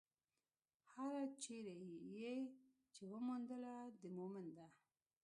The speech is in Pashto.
هره چېرې يې چې وموندله، د مؤمن ده.